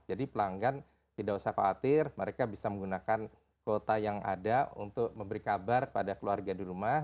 jadi pelanggan tidak usah khawatir mereka bisa menggunakan kuota yang ada untuk memberi kabar pada keluarga di rumah